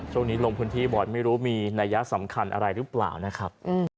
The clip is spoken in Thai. ลงพื้นที่บ่อยไม่รู้มีนัยสำคัญอะไรหรือเปล่านะครับ